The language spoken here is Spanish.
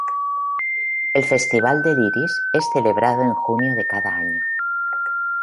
El Festival del Iris, es celebrado en junio de cada año.